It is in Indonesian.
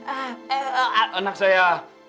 eh eh eh eh anak saya